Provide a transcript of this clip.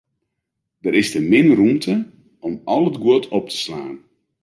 Der is te min rûmte om al it guod op te slaan.